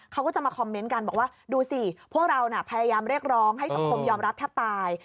เขาก็จะมาคอมเมนต์กันบอกว่าดูสิพวกเราพยายามเรียกร้องให้สังคมยอมรับแทบตาย